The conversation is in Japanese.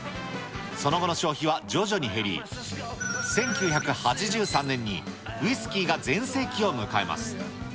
その後の消費は徐々に減り、１９８３年にウイスキーが全盛期を迎えます。